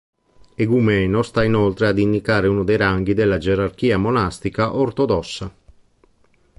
Egumeno sta inoltre ad indicare uno dei ranghi della gerarchia monastica ortodossa.